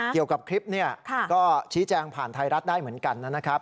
เกี่ยวกับคลิปนี้ก็ชี้แจงผ่านไทยรัฐได้เหมือนกันนะครับ